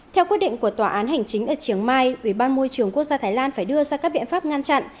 theo quyết định của tòa án hành chính ở chiều mai ủy ban môi trường quốc gia thái lan phải đưa ra các biện pháp ngăn chặn